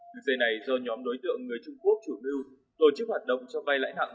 đường dây này do nhóm đối tượng người trung quốc chủ mưu tổ chức hoạt động cho vay lãi nặng